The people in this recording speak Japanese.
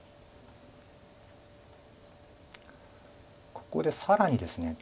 ここで更にですね